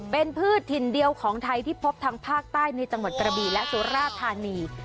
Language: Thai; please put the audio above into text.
เป็นพืชถิ่นเดียวของไทยที่พบทางภาคใต้ในจังหวัดกระบีและสุราธานี